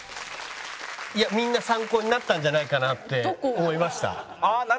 いやみんな参考になったんじゃないかなって思いました。